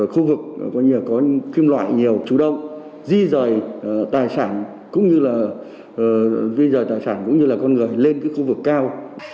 khu vực có kim loại nhiều chú đông di dời tài sản cũng như là con người lên cái khu vực cao